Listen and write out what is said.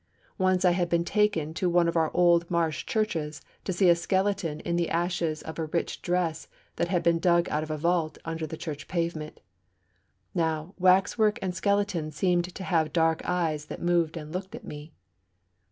Once I had been taken to one of our old marsh churches to see a skeleton in the ashes of a rich dress that had been dug out of a vault under the church pavement. Now, waxwork and skeleton seemed to have dark eyes that moved and looked at me.'